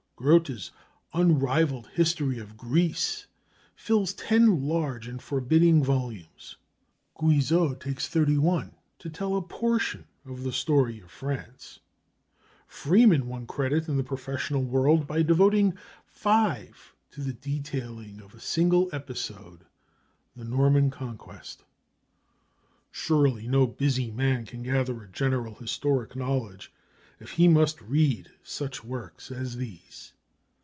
Grote's unrivalled history of Greece fills ten large and forbidding volumes. Guizot takes thirty one to tell a portion of the story of France. Freeman won credit in the professorial world by devoting five to the detailing of a single episode, the Norman Conquest. Surely no busy man can gather a general historic knowledge, if he must read such works as these!